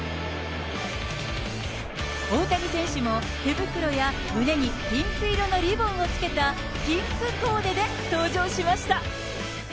大谷選手も、手袋や胸にピンク色のリボンをつけたピンクコーデで登場しました。